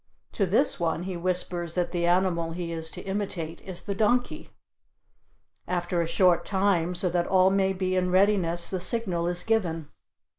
To this one he whispers that the animal he is to imitate is the donkey. After a short time, so that all may be in readiness, the signal is given.